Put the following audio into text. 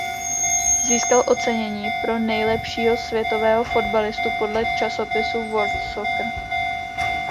Získal ocenění pro nejlepšího světového fotbalistu podle časopisu World Soccer.